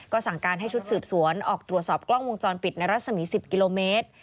สั่งการให้ชุดสืบสวนออกตรวจสอบกล้องวงจรปิดในรัศมี๑๐กิโลเมตร